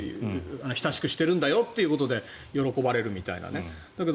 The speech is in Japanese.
親しくしてるんだよってことで喜ばれるみたいな。